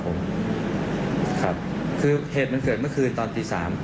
ครับคือเหตุมันเกิดเมื่อคืนตอนตี๓